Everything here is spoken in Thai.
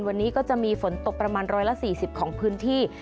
วันนี้ก็จะมีฝนตกประมาณ๑๔๐ของพื้นที่